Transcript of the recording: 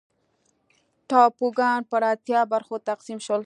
ټاپوګان پر اتیا برخو تقسیم شول.